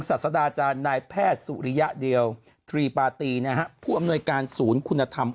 ศาสดาอาจารย์นายแพทย์สุริยะเดียวตรีปาตีนะฮะผู้อำนวยการศูนย์คุณธรรม